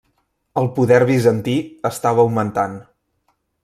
El poder bizantí estava augmentant.